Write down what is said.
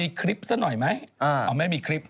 มีคลิปซะหน่อยไหมเอาไม่มีคลิป